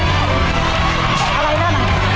จะทำเวลาไหมครับเนี่ย